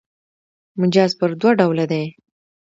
مجاز پر دوه ډوله دﺉ.